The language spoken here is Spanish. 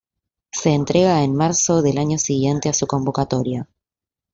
Se entrega en marzo del año siguiente a su convocatoria.